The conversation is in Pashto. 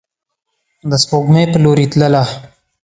د سپوږمۍ په لوري تلله